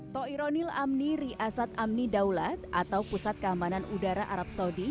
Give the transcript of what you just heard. toironil amni riasad amni daulat atau pusat keamanan udara arab saudi